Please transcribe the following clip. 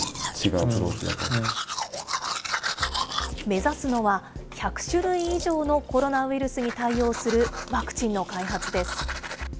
目指すのは、１００種類以上のコロナウイルスに対応するワクチンの開発です。